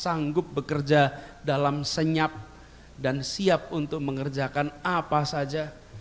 sanggup bekerja dalam senyap dan siap untuk mengerjakan apa saja